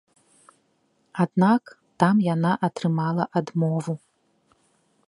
Аднак там яна атрымала адмову.